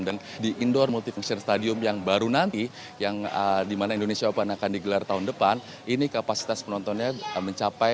dan di indoor multifunction stadium yang baru nanti yang dimana indonesia open akan digelar tahun depan ini kapasitas penontonnya mencapai enam belas